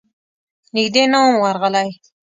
نږدې نه وم ورغلی.